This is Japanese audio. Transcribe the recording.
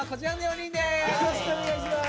よろしくお願いします。